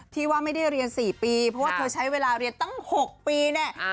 ที่ว่าไม่ได้เรียน๔ปีเพราะว่าเธอใช้เวลาเรียนตั้ง๖ปีเนี่ย